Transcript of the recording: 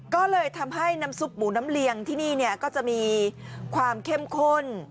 ก็เลยทำให้น้ำซุปหมูน้ำเลียงที่นี่ก็จะมีความเข้มข้น